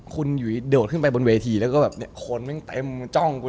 คุณอยู่ดีเดินขึ้นไปบนเวทีแล้วก็แบบคนเต็มจ้องคุณ